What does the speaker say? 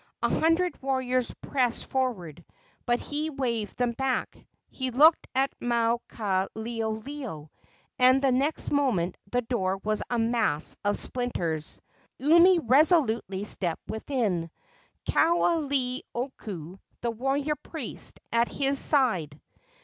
A hundred warriors pressed forward, but he waved them back. He looked at Maukaleoleo, and the next moment the door was a mass of splinters. Umi resolutely stepped within, Kaoleioku, the warrior priest, at his side.